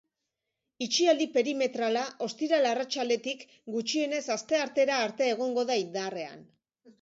Itxialdi perimetrala ostiral arratsaldetik gutxienez asteartera arte egongo da indarrean.